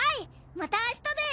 また明日です。